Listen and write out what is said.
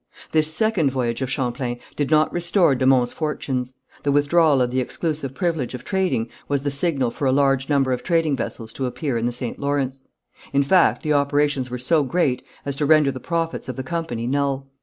This second voyage of Champlain did not restore de Monts' fortunes. The withdrawal of the exclusive privilege of trading was the signal for a large number of trading vessels to appear in the St. Lawrence. In fact the operations were so great as to render the profits of the company null.